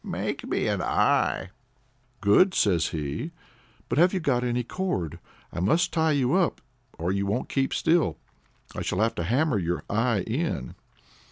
"Make me an eye." "Good," says he; "but have you got any cord? I must tie you up, or you won't keep still. I shall have to hammer your eye in."